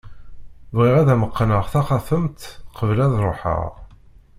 Bɣiɣ ad am-qqneɣ taxatemt qbel ad ruḥeɣ.